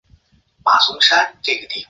也是司铎级枢机前田万叶的领衔圣堂。